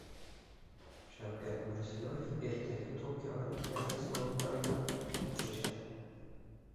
Shavkat Mirziyoyev ertaga Tokio Olimpiadasi g‘oliblari bilan uchrashadi